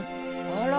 あら！